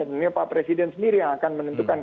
tentunya pak presiden sendiri yang akan menentukan